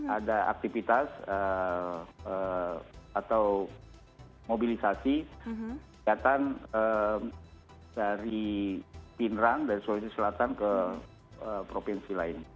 ada aktivitas atau mobilisasi kegiatan dari pinerang dari sulawesi selatan ke provinsi lain